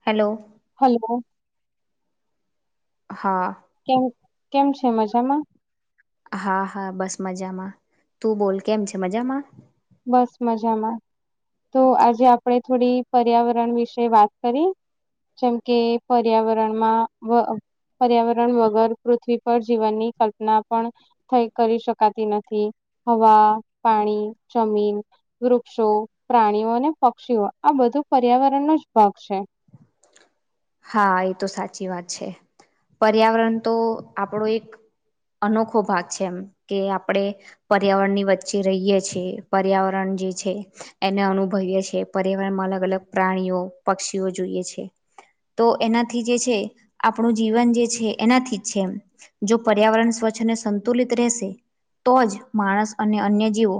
Hello hello હા કેમ કેમ છે મજામાં? હા હા બસ મજામાં તું બોલ કેમ છે મજામાં બસ મજામાં. તો આજે આપણેે થોડી પર્યાવરણ વિશે વાત કરીએ? જેમ કે પર્યાવરણમાં વ અહ પર્યાવરણ વગર પૃથ્વી પર જીવનની કલ્પના પણ થઈ કરી શકાતી નથી. હવા, પાણી જમીન વૃક્ષો પ્રાણીઓ અને પક્ષીઓ આ બધું પર્યાવરણનો જ ભાગ છે. હા, એ તો સાચી વાત છે. પર્યાવરણ તો આપણો એક અનોખો ભાગ છે એમ. કે આપણેે પર્યાવરણની વચ્ચે રહીયે છીએ પર્યાવરણ જે છે એને અનુભવીએ છે. પર્યાવરણમાં અલગ અલગ પ્રાણીઓ, પક્ષીઓ જોઈએ છે. તો એનાથી જે છે આપણું જીવન જે છે એનાથીજ છે એમ. જો પર્યાવરણ સ્વચ્છ ને સંતુલિત રહેશે તો જ માણસ અને અન્ય જીવો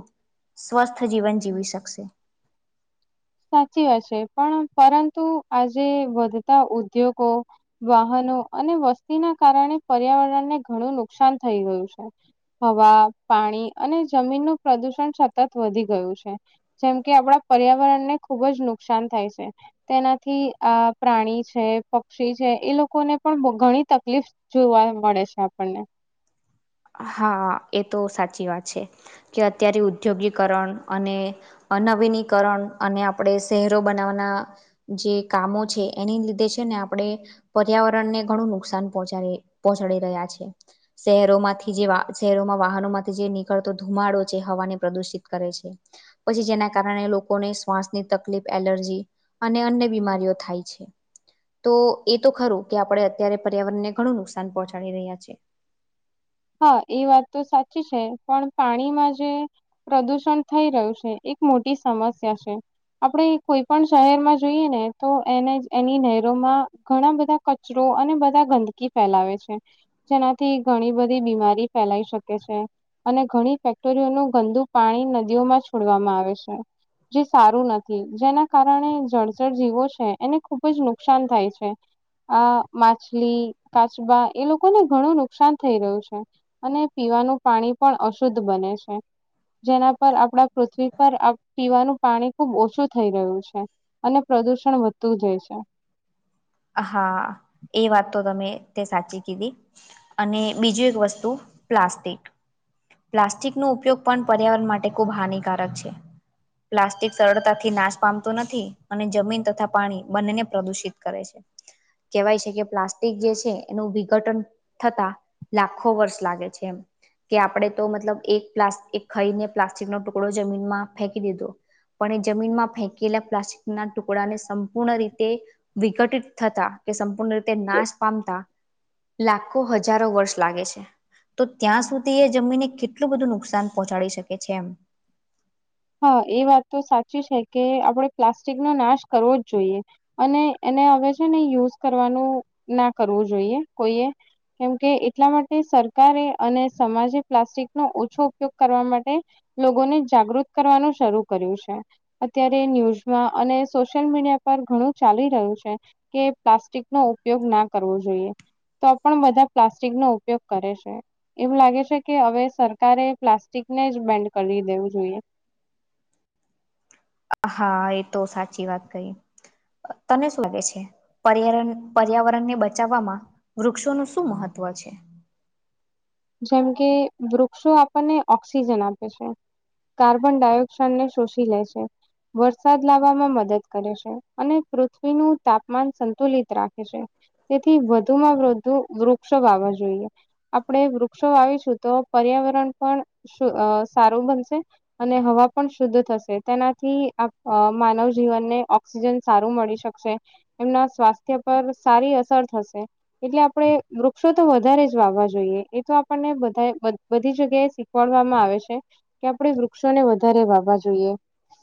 સ્વસ્થ જીવન જીવી શકશે. સાચી વાત છે. પણ પરંતુ આજે વધતા ઉદ્યોગો વાહન નો અને વસ્તીના કારણે પર્યાવરણને ઘણું નુકસાન થઈ ગયું છે. હવા પાણી અને જમીનનું પ્રદુષણ સતત વધી ગયું છે. જેમ કે આપડા પર્યાવરણને ખુબ જ નુકસાન થાય છે. તેનાથી આ પ્રાણી છે, પક્ષી છે એ લોકોને પણ ઘણી તકલીફ જોવા મળે છે આપણને હા એ તો સાચી વાત છે કે અત્યારે ઉદ્યોગીકરણ અને નવીનીકરણ અને આપણે શહેરો બનાવવાના જે કામો છે એની લીધે છે ને આપડે પર્યાવરણને ઘણું નુકસાન પહચાડી પહચાડી રહ્યા છે શહેરોમાંથી જે શહેરોમાં વાહનો માંથી જે નીકળતો ધુમાડો છે હવાને પ્રદુષિત કરે છે પછી જેના કારણે લોકોને શ્વાસની તકલીફ એલર્જી અને અન્ય બીમારીઓ થાય છે તો એ તો ખરું કે આપડડે અત્યારે પર્યાવરણને ઘણું નુકસાન પહોંચાડી રહ્યા છે. હા, એ વાત તો સાચી છે, પણ પાણીમાં જે પ્રદુષણ થઈ રહ્યું છે એક મોટી સમસ્યા છે. આપણે કોઈ પણ શહેરમાં જોઈએ ને તો એને એની નહેરોમાં ઘણા બધા કચરો તો અને બધા ગંદકી ફેલાવે છે જેનાથી ઘણી બ ભી બીમારી ફેલાઈ શકે છે. અને ઘણી ફેક્ટરીઓનું ગંદુ પાણી નદીઓમાં છોડવામાં આવે છે. જે સારું નથી જેના કારણે જળ જર જીવો છે એને ખૂબ જ નુકસાન થાય છે. આ માછલી, કાચબા એ લોકોને ઘણું નુકસાન થઈ રહ્યું છે અને પીવાનું પાણી પણ અશુદ્ધ બને છે. જેના પર આપડા પૃથ્વી પર અહ પીવાનું પાણી ખુબ ઓછું થઈ રહ્યું છે અને પ્ર પ્રદૂષણ વધતું જય છે. હા, એ વાત તો તમે તે સાચી કીધી. અને બીજું એક વસ્તુ પ્લાસ્ટિક. પ્લાસ્ટિકનો ઉપયોગ પણ પર્યાવરણ માટે ખૂબ હાનિકારક છે. પ્લાસ્ટિક સરળતાથી નાશ પામતો નથી અને જમીન તથા પાણી બંનેને પ્રદુષિત કરે છે. [unintelligible] કેવાય છે કે પ્લાસ્ટિક જે છે એનું વિઘટન થતા લાખો વર્ષ લાગે છે એમ. કે આપણે તો મતલબ એક પ્લાસ ખઈને પ્લાસ્ટિકનો ટુકડો જમીનમાં ફેંકી દીધો. પણ એ જમીનમાં ફેંકેલા પ્લાસ્ટિકના ટુકડાને સંપૂર્ણ રીતે વિકટિત થતા કે સંપૂર્ણ રીતે નાશ પામતા લાખો હજારો વર્ષ લાગે છે. તો ત્યાં સુધી એ જમીને કેટલું બધું નુકસાન પહોંચાડી શકે છે એમ. [unintelligible] હા, એ વાત તો સાચી છે કે આપણે પ્લાસ્ટિકનો નાશ કરવો જ જોઈએ અને એન ને હવે છે ને યુઝ કરવાનું ના કરવું જોઈએ કોઈએ. કેમકે એટલા માટે સરકારે અને સમાજે પ્લાસ્ટિક નો ઓછો ઉપયોગ કરવા માટે લોગોને જાગૃત કરવાનું શરૂ કર્યું છે. અત્યારે ન્યુઝમાં અને સોશિયલ મીડિયા પર ઘણું ચાલી રહ્યું છે કે પ્લાસ્ટિક નો ઉપયોગ ના કરવો જોઈએ. તો પણ બધા પ્લાસ્ટિક નો ઉપયોગ કરે છે એવું લાગે છે કે હવે સરકારે પ્લાસ્ટિક નેજ બેન્ડ કરી દેવું જોઈએ. હા એ તો સાચી વાત કહી. તને શું લાગે છે પર્યાણ પર્યાવરણને બચાવવામાં વૃક્ષોનું શું મહત્વ વ છે. જેમ કે વૃક્ષો આપણને ઓક્સિજન આપે છે. કાર્બન ડાયોક્સઇડ ને શોષી લે છે. વરસાદ લાવવામાં મદદ કરે છે અને પૃથ્વીનું તાપમાન સંતુલિત રાખે છે. તેથી વધુમાં વધુ વૃક્ષો વાવા જોઈએ આપણેે વૃક્ષ વક્ષો વાવીશું તો પર્યાવરણ પણ સારું બનશે અને હવા પણ શુદ્ધ થ શે તેનાથી માનવ જીવનને ઓક્સિજન સારુ મળી શકશે એમના સ્વા સ્વાસ્થ્ય પર સારી અસર થશે એટલે આપણે વૃક્ષો તો વધારે જ વાવવા જોઈએ એ તો આપને બધા બધી જગ્યા એ શીખવાડવામાં આવે છે કે આપડ વૃક્ષોને વધારે વાવા જોઈએ. [unintelligible]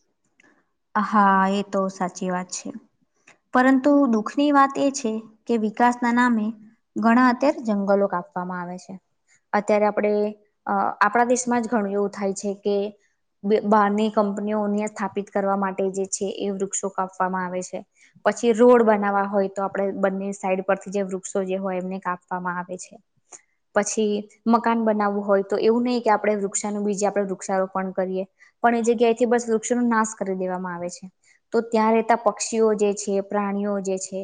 હા એ તો સાચી વાત છે. પરંતુ દુઃખની વાત એ છે કે વિકાસના નામે ઘણા અત્યારે જંગલો કાપવામાં આવે છે. અત્યારે આપડે અહ આપડા દેશમાં જ ઘણું એવું થાય છે કે બે-બહારની કંપનીઓને થાપિત કરવા માટે જે છે એ વૃક્ષો કાપવામાં આવે છે. પછી રોડ બનાવવા હોય તો આપડે બંને સાઈડ પરથી જે વૃક્ષો જે હોય એમને કાપવામાં આવે છે. પછી મકાન બનાવવું હોય તો એવું નહી કે આપડે વૃક્ષાનું બીજે આપણેે વૃક્ષારોપણ કરીએ. પણ એ જગ્યાએ થી બસ વૃક્ષો નાશ કરી દેવામાં આવે છે તો ત્યાં રહેતા પક્ષીઓ જે છે, પ્રાણીઓ જે છે.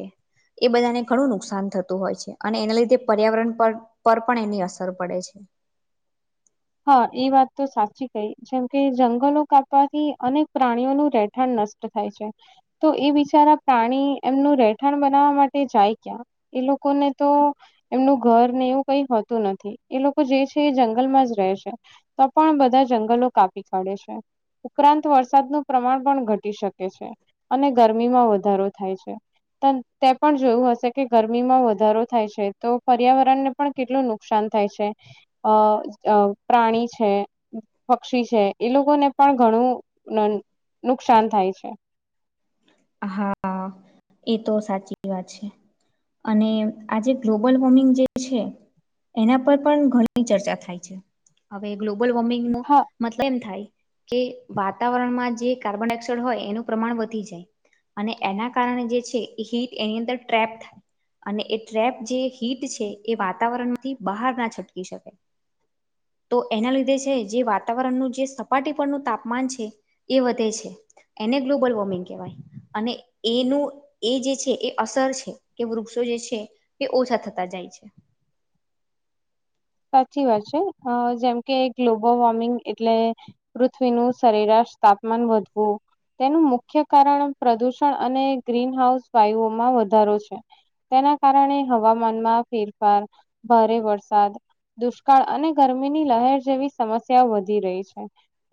એ બધાને ઘણું નુકસાન થતું હોય છે અને એના લીધે પર્યાવરણ પર પર પણ એની અસર પડે છે. [inaudible] હા એ વાત તો સાચી કહી જેમ કે જંગલો કાપવાથી અનેક પ્રાણીઓનું રહેઠાણ નષ્ટ થાય છે તો એ બિચારા પ્રાણી એમનું રહેઠાણ બનાવવા માટે જાય ક્યાં એ લોકો ને તો એમનું ઘર ને એવું કઈ હોતું નથી એ લોકો જે છે એ જંગલ માં જ રે રહે છે તો પણ બધા જંગલો કાપી કાઢે છે ઉપરાંત વરસાદનું પ્રમાણ પણ ઘટ ટી શકે છે અને ગરમીમાં વધારો થાય છે. તે પણ જોયું હશે કે ગરમીમાં વધારો થાય છે તો પર્યાવરણ ને પણ કેટલું નુકસાન થાય છે અ અ પ્રાણી છે, પક્ષી છે, એ લોકોને પણ ઘણું ન ન નુકસાન થાય છે. હા હા એ તો સાચી વાત છે. અને આજે ગ્લોબલ વોર્મિંગ જે છે. એના પર પણ ઘણી ચર્ચા થાય છે, હવે ગ્લોબલ વોર્મિંગ ન હા મતલબ એમ થાય કે વાતાવરણમાં જે કાર્બન ડાયોક્સાાઈડ હોય એનું પ્રમાણ વધી જાય અને એના કારણે જે છે હીટ એની અંદર ટ્રેપ થાય. અને એ ટ્રેપ જે હીટ છે એ વાતાવરણથી બહાર ના છટકી શકે [inaudible] તો એના લીધે છે જે વાતાવરણનું જે સપાટી પરનું તાપમાન છે એ વધે છે. એને ગ્લોબલ વોર્મિંગ કહેવાય અને એનું એ જે છે એ અસર છે કે વૃક્ષો જે છે એ ઓછા થતા જાય છે. [inaudible] સાચી વાત છે હા જેમ કે ગ્લોબલ વોર્મિંગ એટલે પૃથ્વીનું સરેરાશ તાપમાન વધવું તેનું મુખ્ય કારણ પ્રદુષણ અને ગ્રીન હાઉસ વાયુઓમાં વધારો છે ના કારણે હવામાનમાં ફેરફાર ભારે વરસાદ દુષ્કાળ અને ગરમીની લહેર જેવી સમસ્યાઓ વધી રહી છે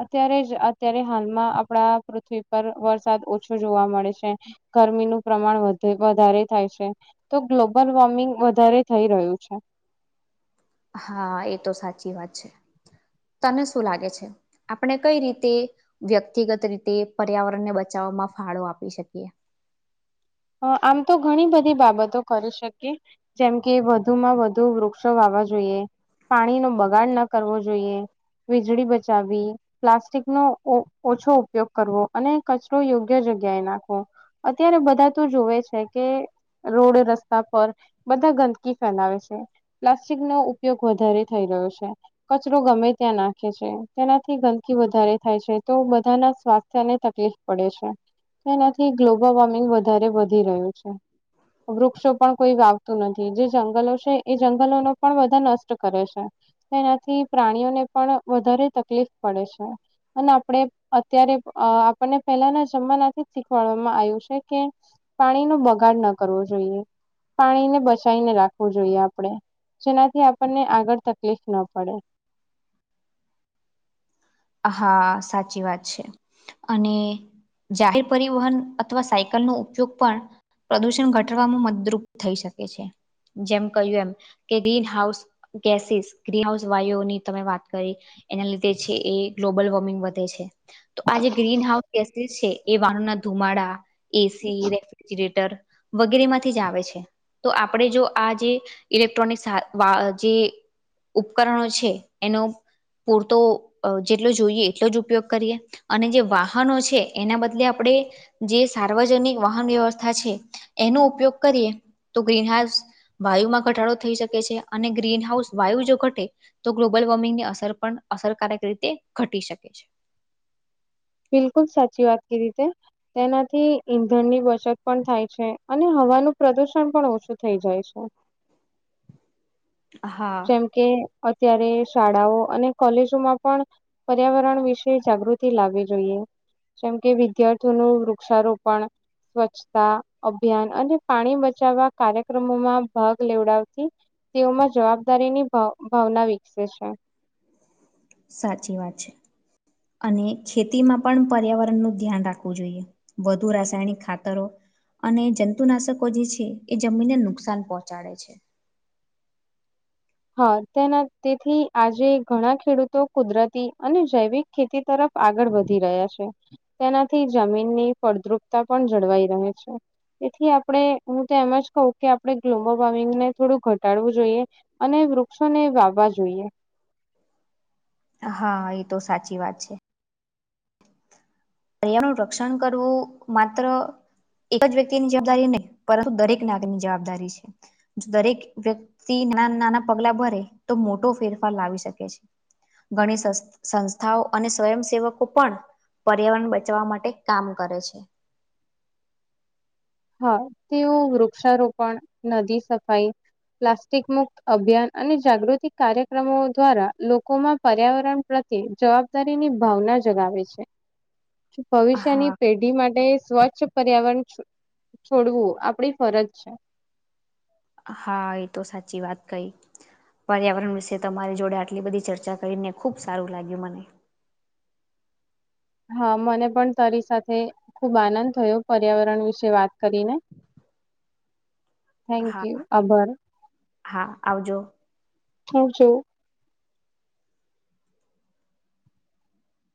અત્યારે જ અત્યારે હાલમાં આપણા પૃથ્વી પર વરસાદ ઓછો જોવા મળે છે ગરમીનું પ્રમાણ વધે વધારે થાય છે તો ગ્લોબલ વોર્મિંગ વધારે થઈ રહ્યું છે હા એ તો સાચી વાત છે તને શું લાગે છે આપણે કઈ રીતે વ્યક્તિગત રીતે પર્યાવરણ ને બચાવ બચાવવામમાં ફાળો આપી શકીએ આમ તો ઘણી બધી બાબતો કરી શકીએ જેમ કે વધુમાં વધુ વૃક્ષો વા વાવવા જોઈએ પાણી નો બગાડ ન કરવો જોઈએ વીજળી બચાવવી પ્લાસ્ટિક નો ઓ ઓછો ઉપયોગ કરવો અને કચરો યોગ્ય જગ્યા જગ્યાએ નાખવો અત્યારે બધા તો જોવે છે કે રોડ રસ્તા પર બધા ગંદકી ફેલાવે છે પ્લાસ્ટિક નો ઉપયોગ વધારે થઈ ગયો છે કચરો ગમે ત્યાં નાખે છે તેનાથી ગંદકી વધારે થાય છે તો બધાના સ્વાસ્થ્યને તકલીફ પડે છે તેનાથી ગ્લોબલ વોર્મિંગ વધારે વધી રહ્યું છે વૃક્ષો પણ કોઈ વાવતું નથી જે જંગલો છે એ જંગલો નો પણ બધા નષ્ટ કરે છે એનાથી પ્રાણીઓને પણ વધારે તકલીફ પડે છે અને આપણે અત્યારે અ આપણને પહેલાના જમાના થી શીખવાડવામાં આવ્યું છે. કે પાણી નો બગાડ ન કરવો જોઈએ. પાણીને બચાઇને રાખવું જોઈએ આપણે. જેનાથી આપણને આગળ તકલીફ ના પડે. હા સાચી વાત છે. અને જાહેર પરિવહન અથવા સાયકલનો ઉપયોગ પણ પ્રદૂષણ ઘટવામાં મદરૂપ થઈ શકે છે. જેમ કહ્યું એમ કે ગ્રીનહાઉસ ગેસીસ ગ્રીનહાઉસ વાયુ ની તમે વાત કરી. એના લીધે છે એ ગ્લોબલ વોર્મિંગ વધે છે. તો આ જે ગ્રીન હાઉસ ગ છે એ વાનોના ધુમાડા એસી રેફ્રિજરેટર વગેરે માંથી જ આવે છે. તો આપણેે જો આ જે ઇલેક્ટ્રોનિક જે ઉપકરણો છે એનો પૂરતો જેટલો જોઈએ એટલો જ ઉપયોગ કરીએ અને જે વાહનો છે એના બદલે આપણે જે સાર વાહન વ્યવસ્થા છે. એનો ઉપયોગ કરીએ તો ગ્રીન હાઉસ વાયુમાં ઘટાડો થઈ શકે છે અને ગ્રીનહાઉસ વાયુ જો ઘટે તો ગ્લોબલ વોર્મિંગની અસર પણ અસરકારક રીતે ઘટી શકે છે. બિલકુલ સાચી વાત કીતે તેનાથી ઈંધણની બચત પણ થાય છે. અને હવાનું પ્રદુષણ પણ ઓછું થઈ જાય છે. હા જેમ કે અત્યારે શાળાઓ અને કોલેજોમાં પણ પર્યાવરણ વિશે જાગૃતિ લાવે છે. જેમ કે વિદ્યાર્થીઓ ન વૃક્ષારોપણ સ્વચ્છતા અભિયાન અને પાણી બચાવવા કાર્યક્રમોમાં ભાગ લેવડાવતી તેઓમાં જવાબદારીની ભાવના વિકસે છે. સાચી વાત છે. અને ખેતીમાં પણ પર્યાવરણનું ધ્યાન રાખવું જોઈએ. વધુ રાસાયણિક ખાતરો અને જંતુનાશકો જે છે એ જમીનને નુકસાન પહોંચાડે છે. હા તેના તેથી આજે ઘણા ખેડૂતો કુદરતી અને જૈવિક ખેતી તરફ આગળ વધી રહ્યા છે તેનાથી જમીનની ફળદ્રુપતા પણ જળવાઈ રહે છે. તેથી આપણે હું તો એમ જ કહું કે આપણે ગ્લોબલ વોર્મિંગને થોડું ઘટાડવું જોઈએ અને વૃક્ષોને વાવવા જોઈએ. હા એ તો સાચી વાત છે. પર્યારણ નું રક્ષણ કરવું માત્ર એક જ વ્યક્તિની જવાબદારી નહી પરંતુ દરેક નાગની જવાબદારી છે દરેક વ્યક્તિ નાના પગલા ભરે તો મોટો ફેરફાર લાવી શકે છે. ઘણી સંસ્થાઓ અને સ્વયંસેવકો પણ પર્યાવરણ બચવા માટે કામ કરે છે. હા તેઓ વૃક્ષારોપણ નદી સફાઈ પ્લાસ્ટિક મુક્ત અભિયાન અને જાગૃતિ કાર્યક્રમો દ્વારા લોકોમાં પર્યાવરણ પ્ર જવાબદારી ની ભાવના જગાવે છે. ભવિષ્યની હા પેઢી માટે સ્વચ્છ પર્યાવરણ છોડવું આપણી ફરજ છે. હા એ તો સાચી વાત કઈ. પર્યાવરણ વિશે તમારી જોડે આટલી બધી ચર્ચા કરીને ખુબ સારું લાગ્યું મને. હા મને પણ તારી સાથે ખુબ આનંદ થયો પર્યાવરણ વિશે વાત કરીને. થેન્ક હા યુ આભાર. હા આવજો. હ જો